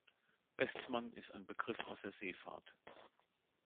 Bestmann ist ein Begriff aus der Seefahrt.